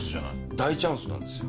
大チャンスなんですよ。